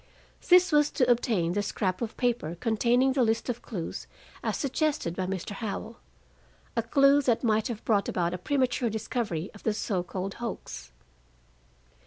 This was to obtain the scrap of paper containing the list of clues as suggested by Mr. Howell, a clue that might have brought about a premature discovery of the so called hoax.